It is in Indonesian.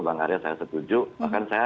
bang arya saya setuju bahkan saya